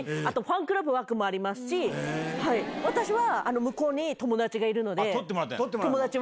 私は。